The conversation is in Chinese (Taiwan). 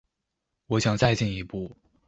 我想再進一步